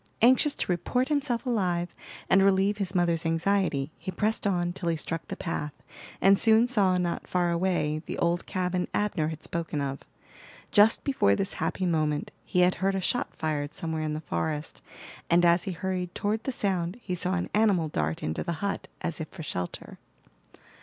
Anxious to report himself alive, and relieve his mother's anxiety, he pressed on till he struck the path, and soon saw, not far away, the old cabin Abner had spoken of. Just before this happy moment he had heard a shot fired somewhere in the forest, and as he hurried toward the sound he saw an animal dart into the hut, as if for shelter.